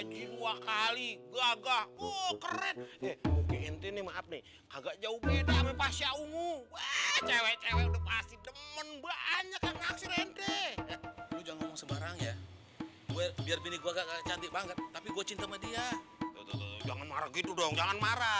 sampai jumpa di video selanjutnya